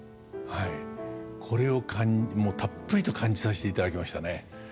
はいこれをもうたっぷりと感じさせていただきましたね。